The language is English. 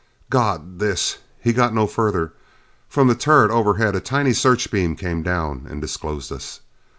"God this " He got no further. From the turret overhead a tiny search beam came down and disclosed us.